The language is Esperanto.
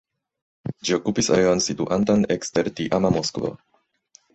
Ĝi okupis areon situantan ekster tiama Moskvo.